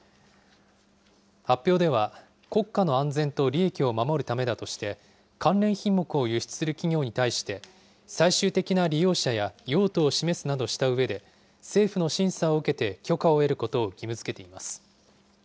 発表では、国家の安全と利益を守るためだとして、関連品目を輸出する企業に対して、最終的な利用者や、用途を示すなどしたうえで、政府の審査を受けて許可を得ることを義務づけています。